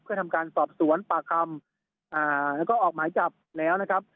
เพื่อทำการสอบสวนปากคำแล้วก็ออกหมายจับแล้วนะครับ